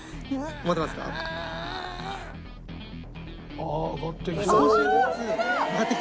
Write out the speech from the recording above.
ああ上がってきた。